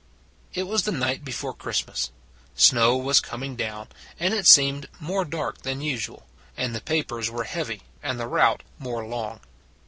It was the night before Christmas. Snow was coming down, and it seemed more dark than usual, and the papers were heavy and the route more long.